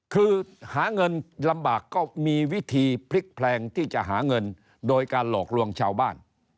คือหาเงินลำบากก็มีวิธีพลิกแพลงที่จะหาเงินโดยการหลอกลวงชาวบ้าน